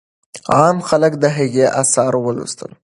عام خلک د هغې آثار ولوستل.